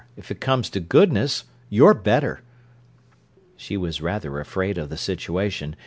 If it comes to goodness, you're better." She was rather afraid of the situation.